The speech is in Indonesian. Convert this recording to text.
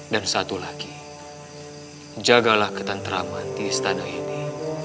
dan satu lagi jagalah ketantraman di istana ini